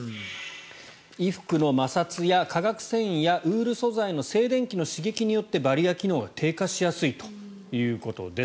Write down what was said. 衣服の摩擦や化学繊維やウール素材の静電気の刺激によってバリア機能が低下しやすいということです。